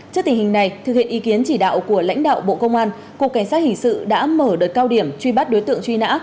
trước tình hình này thực hiện ý kiến chỉ đạo của lãnh đạo bộ công an cục cảnh sát hình sự đã mở đợt cao điểm truy bắt đối tượng truy nã